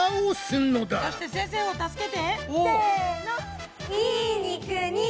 そして先生を助けて！